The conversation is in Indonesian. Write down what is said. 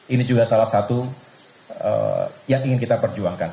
ini juga salah satu yang ingin kita perjuangkan